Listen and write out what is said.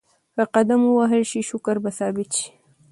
که قدم ووهل شي شکر به ثابت شي.